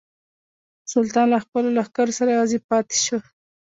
سلطان له خپلو لښکرو سره یوازې پاته شو.